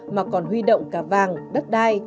mà còn huy động cả vàng đất đa